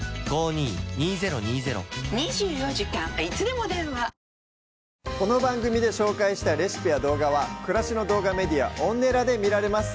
なるほどこの番組で紹介したレシピや動画は暮らしの動画メディアＯｎｎｅｌａで見られます